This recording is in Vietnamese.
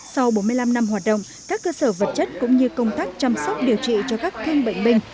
sau bốn mươi năm năm hoạt động các cơ sở vật chất cũng như công tác chăm sóc điều trị cho các thương bệnh binh